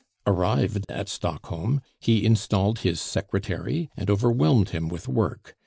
"Arrived at Stockholm, he installed his secretary and overwhelmed him with work.